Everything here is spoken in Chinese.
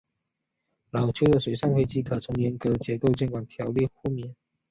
老旧的水上飞机可从严格的结构监管条例豁免。